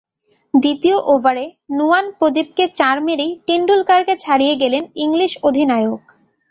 দ্বিতীয় ওভারে নুয়ান প্রদীপকে চার মেরেই টেন্ডুলকারকে ছাড়িয়ে গেলেন ইংলিশ অধিনায়ক।